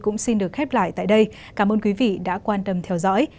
cũng xin được khép lại tại đây cảm ơn quý vị đã quan tâm theo dõi